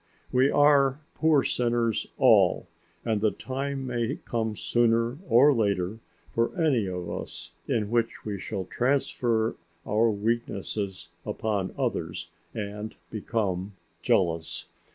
We are poor sinners all, and the time may come sooner or later for any of us in which we shall transfer our weaknesses upon others and become jealous.